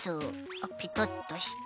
あっペトッとして。